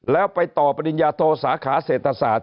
แล้วไปต่อปริญญาโทสาขาเศรษฐศาสต